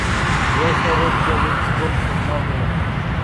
He also wrote children’s books and novels.